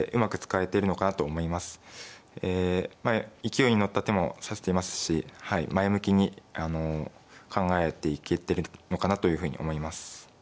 え勢いに乗った手も指せていますしはい前向きに考えていけてるのかなというふうに思います。